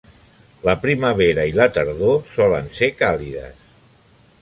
La primavera i la tardor solen ser càlides.